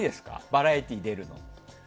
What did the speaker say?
バラエティーに出るのは。